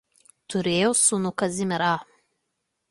Turėjo sūnų Kazimierą.